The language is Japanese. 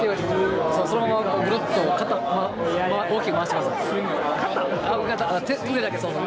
そのままぐるっと、大きく回してください。